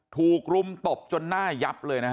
ถูกรุมตบจนหน้ายับเลยนะฮะ